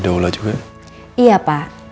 daula juga iya pak